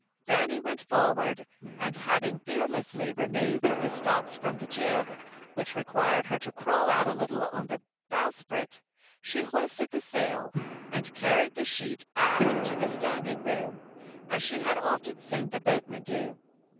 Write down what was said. Fanny went forward, and having fearlessly removed the stops from the jib, which required her to crawl out a little way on the bowsprit, she hoisted the sail, and carried the sheet aft to the standing room, as she had often seen the boatmen do.